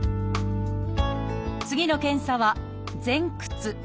次の検査は「前屈」。